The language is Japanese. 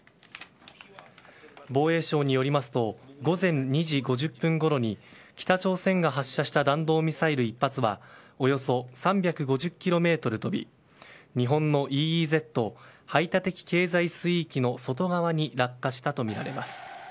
防衛省によりますと午前２時５０分ごろに北朝鮮が発射した弾道ミサイル１発はおよそ３５０ｋｍ飛び日本のＥＥＺ・排他的経済水域の外側に落下したとみられます。